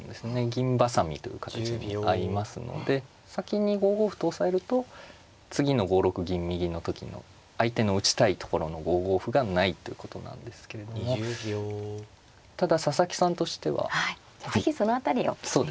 銀挟みという形にあいますので先に５五歩と押さえると次の５六銀右の時の相手の打ちたいところの５五歩がないということなんですけれどもただ佐々木さんとしては。じゃあ是非その辺りをお願いします。